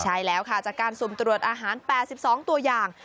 ใช่แล้วค่ะจากการสุ่มตรวจอาหาร๘๒ตัวอย่าง